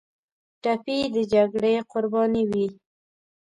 ټپي د جګړې قرباني وي.